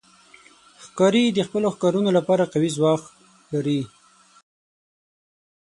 ښکاري د خپلو ښکارونو لپاره قوي ځواک لري.